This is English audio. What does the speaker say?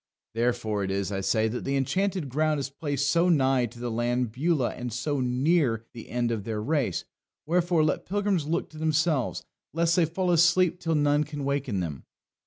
Therefore it is, I say, that the Enchanted Ground is placed so nigh to the land Beulah and so near the end of their race; wherefore let pilgrims look to themselves lest they fall asleep till none can waken them."